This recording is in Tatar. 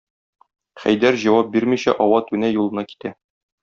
Хәйдәр җавап бирмичә ава-түнә юлына китә.